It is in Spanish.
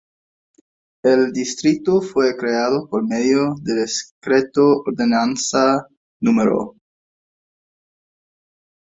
El distrito fue creado por medio de Decreto Ordenanza No.